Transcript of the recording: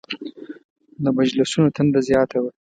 د مجلسونو تنده زیاته وه.